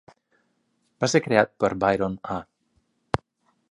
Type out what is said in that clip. Va ser creat per Byron A.